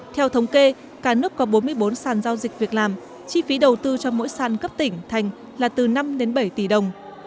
theo thống kê cả nước có bốn mươi bốn sàn giao dịch việc làm chi phí đầu tư cho mỗi sàn cấp tỉnh thành là từ năm đến bảy tỷ đồng